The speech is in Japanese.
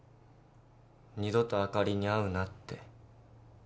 二度とあかりに会うなって。